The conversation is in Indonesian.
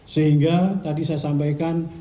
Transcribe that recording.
sehingga tadi saya sampaikan